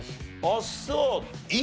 あっそう。